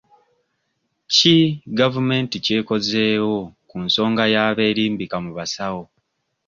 Ki gavumenti ky'ekozeewo ku nsonga y'abeerimbika mu basawo?